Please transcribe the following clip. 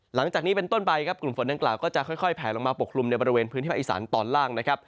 หลังจากนี้เป็นต้นไปครับกลุ่มฝนดังกล่าวก็จะค่อยแผลลงมาปกคลุมในบริเวณพื้นที่ภาคอีสานตอนล่างนะครับ